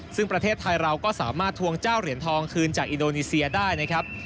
ซึ่งประเทศไทยเราก็สามารถทวงเจ้าเหรียญทองคืนจากอินโดนีเซียได้นะครับ